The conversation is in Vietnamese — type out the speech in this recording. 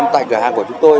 tại cửa hàng của chúng tôi